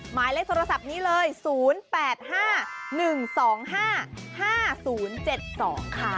หมายเลขโทรศัพท์นี้เลย๐๘๕๑๒๕๕๐๗๒ค่ะ